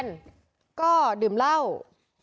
โดนฟันเละเลย